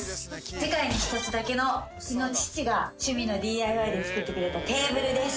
世界に１つだけのうちの父が趣味のＤＩＹで作ってくれたテーブルです。